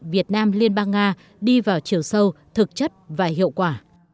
việt nam liên bang nga đi vào chiều sâu thực chất và hiệu quả